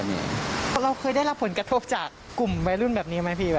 อันเรื่องนี้เราเคยได้ได้รับความพร้อมกระทบจากกลุ่มไวรุ่นแบบนี้ไหมพี่